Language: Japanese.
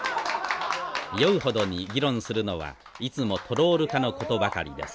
酔うほどに議論するのはいつもトロール化のことばかりです。